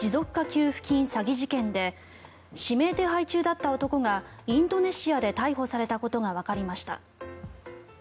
給付金詐欺事件で指名手配中だった男がインドネシアで逮捕されたことがわかりました。